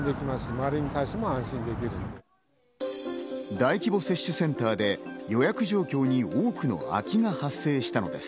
大規模接種センターで予約状況に多くの空きが発生したのです。